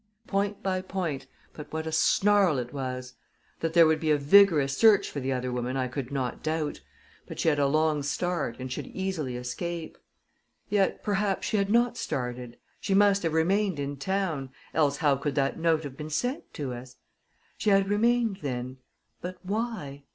Point by point but what a snarl it was! That there would be a vigorous search for the other woman I could not doubt, but she had a long start and should easily escape. Yet, perhaps, she had not started she must have remained in town, else how could that note have been sent to us? She had remained, then but why?